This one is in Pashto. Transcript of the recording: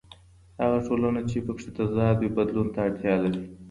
هغه ټولنه چې په کې تضاد وي بدلون ته اړتیا لري.